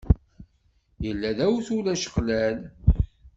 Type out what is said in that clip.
Yella d awtul ačeqlal.